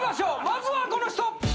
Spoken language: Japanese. まずはこの人！